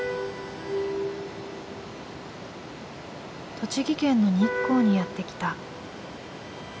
栃木県の日光にやって来た。